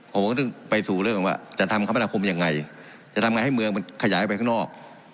ผมก็ต้องไปสู่เรื่องว่าจะทำคมนาคมยังไงจะทำไงให้เมืองมันขยายไปข้างนอก